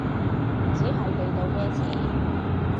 只係地道嘅詞